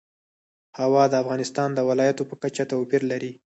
هوا د افغانستان د ولایاتو په کچه توپیر لري.